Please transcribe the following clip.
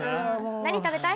何食べたい？